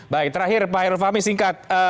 baik terakhir pak herfami singkat